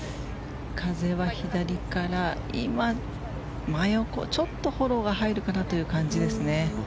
風は左から今、真横ちょっとフォローが入るかなという感じですね。